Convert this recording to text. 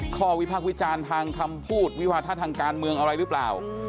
สถานการณ์ขอวิพักวิจารณ์ทางทำพูดวิวัฒนธรรมการเมืองอะไรหรือเปล่า